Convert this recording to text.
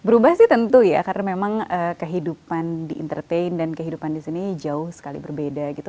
berubah sih tentu ya karena memang kehidupan di entertain dan kehidupan di sini jauh sekali berbeda gitu